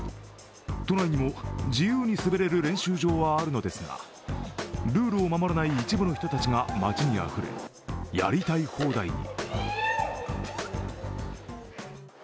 都内にも自由に滑れる練習場はあるのですがルールを守らない一部の人たちが街にあふれ、やりたい放題に。